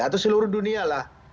atau seluruh dunia lah